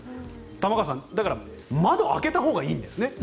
玉川さん、だから窓を開けたほうがいいんですね